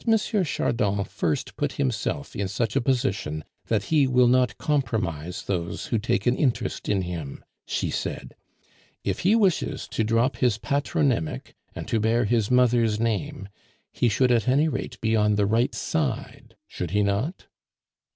Chardon first put himself in such a position that he will not compromise those who take an interest in him," she said. "If he wishes to drop his patronymic and to bear his mother's name, he should at any rate be on the right side, should he not?"